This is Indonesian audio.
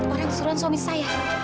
orang suruhan suami saya